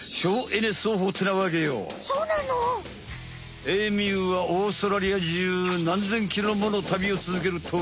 エミューはオーストラリアじゅう何千キロもの旅をつづける鳥。